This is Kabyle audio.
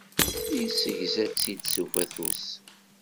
Yessegza-tt-id s ufatus.